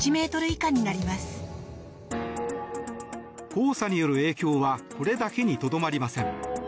黄砂による影響はこれだけにとどまりません。